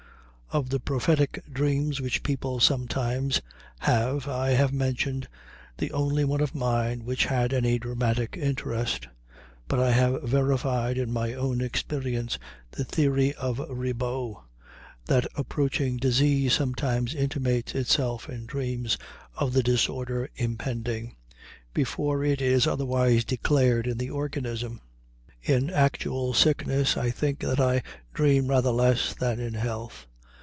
Of the prophetic dreams which people sometimes have I have mentioned the only one of mine which had any dramatic interest, but I have verified in my own experience the theory of Ribot that approaching disease sometimes intimates itself in dreams of the disorder impending, before it is otherwise declared in the organism. In actual sickness I think that I dream rather less than in health.